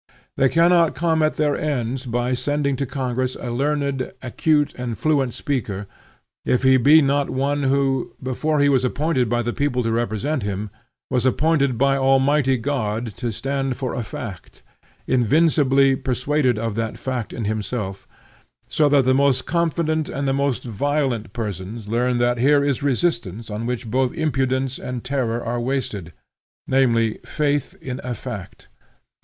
They cannot come at their ends by sending to Congress a learned, acute, and fluent speaker, if he be not one who, before he was appointed by the people to represent them, was appointed by Almighty God to stand for a fact, invincibly persuaded of that fact in himself, so that the most confident and the most violent persons learn that here is resistance on which both impudence and terror are wasted, namely faith in a fact.